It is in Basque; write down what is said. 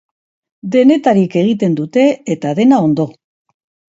Denetarik egiten dute eta dena ondo.